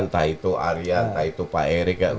entah itu arya entah itu pak erik